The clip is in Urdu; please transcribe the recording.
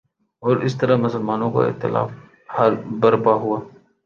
اور اس طرح مسلمانوں میں اختلاف برپا ہوا